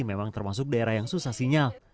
memang termasuk daerah yang susah sinyal